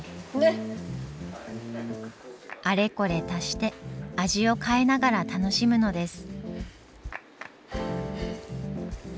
あれこれ足して味を変えながら楽しむのです。